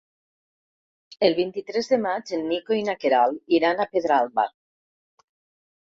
El vint-i-tres de maig en Nico i na Queralt iran a Pedralba.